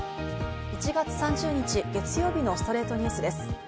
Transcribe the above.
１月３０日、月曜日の『ストレイトニュース』です。